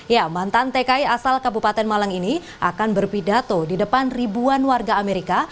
ya mantan tki asal kabupaten malang ini akan berpidato di depan ribuan warga amerika